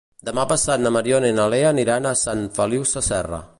Demà passat na Mariona i na Lea aniran a Sant Feliu Sasserra.